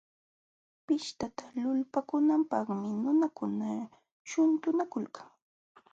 Pishtata lulpaakunanpaqmi nunakuna shuntunakulka.